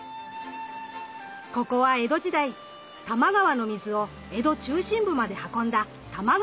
ここは江戸時代多摩川の水を江戸中心部まで運んだ玉川上水の起点。